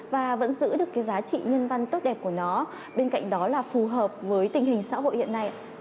và vẫn giữ được cái giá trị nhân văn tốt đẹp của nó bên cạnh đó là phù hợp với tình hình xã hội hiện nay